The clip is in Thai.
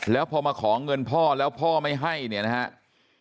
แล้วพอมาขอเงินพ่อแล้วพ่อไม่ให้เนี่ยนะครับ